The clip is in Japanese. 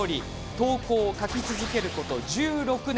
投稿を書き続けること１６年。